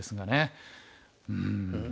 うん。